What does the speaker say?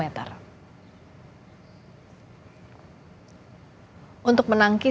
lima april israel mengundur perang ke shirjah